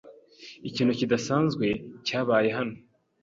Ikintu kidasanzwe cyabaye hano.